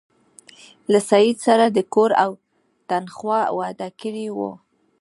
له سید سره د کور او تنخوا وعده کړې وه.